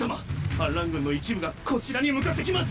反乱軍の一部がこちらに向かってきます！